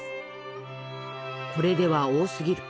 「これでは多すぎる。